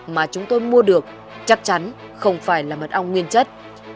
mà chúng tôi mua được chắc chắn không phải là mật ong nguyên chất